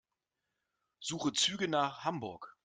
Suche Züge nach Hamburg.